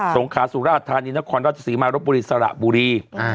งขาสุราชธานีนครราชศรีมารบบุรีสระบุรี